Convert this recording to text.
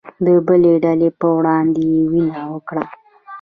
د بلې ډلې په وړاندې يې وينه وکړه